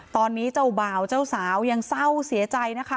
ตอนนี้เจ้าบ่าวเจ้าสาวยังเศร้าเสียใจนะคะ